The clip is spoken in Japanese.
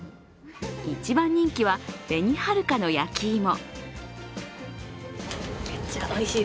一番人気は紅はるかの焼き芋。